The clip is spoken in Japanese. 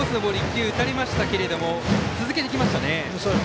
１球打たれましたけども続けてきましたね。